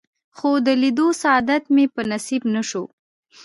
خو د لیدو سعادت مې په نصیب نه شو.